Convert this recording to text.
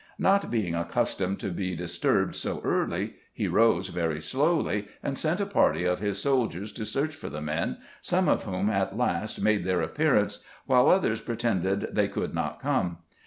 Not being accustomed to be disturbed so early, he rose very slowly, and sent a party of his soldiers to search for the men, some of whom at last made their appearance, while others pretended they could not come.